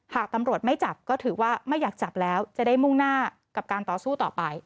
หากตำรวจไม่จับก็ถือว่าไม่อยากจับแล้วจะได้มุ่งหน้ากับการต่อสู้ต่อไป